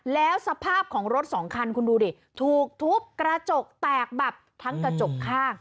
แล้วสภาพของรถสองคันคุณดูดิถูกทุบกระจกแตกแบบทั้งกระจกข้าง